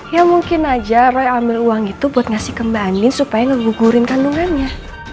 ya mungkin aja roy ambil uang itu buat ngasih ke mbak andin supaya ngebugurin kandungannya